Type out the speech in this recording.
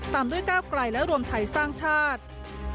ตามด้วยก้าวไกลและรวมไทยสร้างชาติ